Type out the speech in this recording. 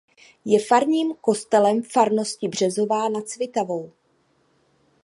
Je farním kostelem farnosti Březová nad Svitavou.